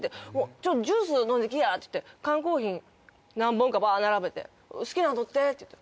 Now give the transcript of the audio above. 「ちょっとジュース飲んできや」って言って缶コーヒー何本かバーッ並べて「好きなん取って」って言って。